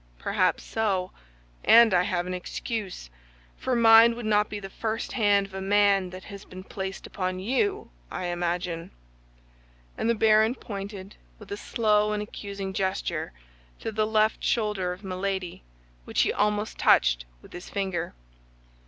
"Perhaps so; and I have an excuse, for mine would not be the first hand of a man that has been placed upon you, I imagine." And the baron pointed, with a slow and accusing gesture, to the left shoulder of Milady, which he almost touched with his finger.